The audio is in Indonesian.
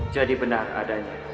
jadi benar adanya